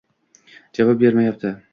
Javob bermayapti.